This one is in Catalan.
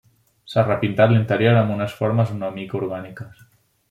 S'ha repintat l'interior amb unes formes una mica orgàniques.